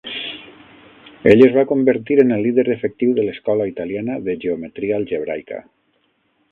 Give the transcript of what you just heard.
Ell es va convertir en el líder efectiu de l'escola italiana de geometria algebraica.